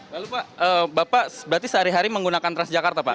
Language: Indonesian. lalu pak bapak berarti sehari hari menggunakan transjakarta pak